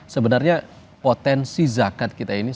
sebenarnya potensi zakat kita ini